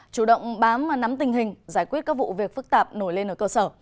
chủ động bám nắm tình hình giải quyết các vụ việc phức tạp nổi lên ở cơ sở